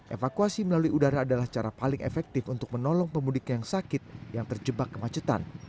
evakuasi melalui udara adalah cara paling efektif untuk menolong pemudik yang sakit yang terjebak kemacetan